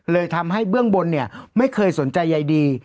เลยทำให้เบื้องบนเนี่ยไม่เคยสนใจใยดี